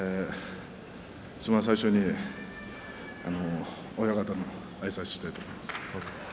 いちばん最初に親方にあいさつしたいと思います。